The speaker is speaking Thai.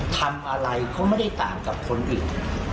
ทำอะไรก็ไม่ได้ต่างกับคนอื่น